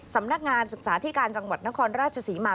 สำนักงานศึกษาที่การจังหวัดนครราชศรีมา